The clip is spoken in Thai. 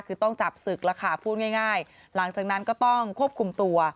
คือต้องจับศึกแล้วค่ะพูดง่ายหลังจากนั้นก็ต้องควบคุมตัว